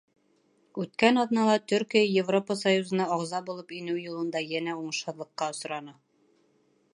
Үткән аҙнала Төркиә Европа Союзына ағза булып инеү юлында йәнә уңышһыҙлыҡҡа осраны.